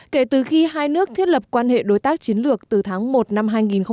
kể từ khi hai nước thiết lập quan hệ đối tác chiến lược từ tháng một năm hai nghìn một mươi ba